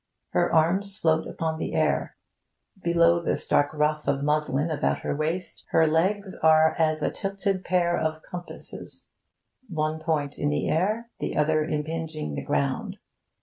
Her arms float upon the air. Below the stark ruff of muslin about her waist, her legs are as a tilted pair of compasses; one point in the air, the other impinging the ground.